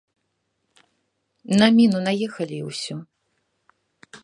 На міну наехалі, і ўсё.